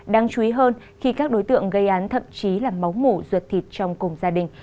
đáng chú ý hơn khi các đối tượng gây án thậm chí là máu mủ ruột thịt trong cùng gia đình